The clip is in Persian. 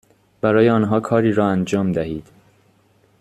برای آنها کاری را انجام دهید،